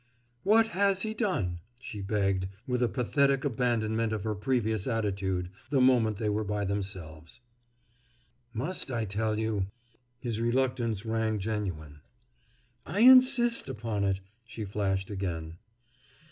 "What has he done?" she begged, with a pathetic abandonment of her previous attitude, the moment they were by themselves. "Must I tell you?" His reluctance rang genuine. "I insist upon it!" she flashed again.